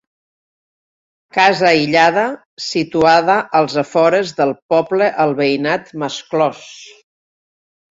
Casa aïllada situada als afores del poble al veïnat Mas Clos.